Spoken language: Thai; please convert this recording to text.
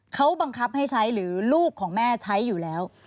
เขาบังคับให้ใช้หรือลูกของแม่ใช้อยู่แล้ว